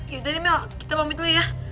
yaudah nih mel kita pamit dulu ya